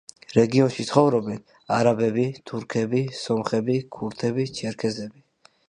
რეგიონში ცხოვრობენ არაბები, თურქები, სომხები, ქურთები, ჩერქეზები.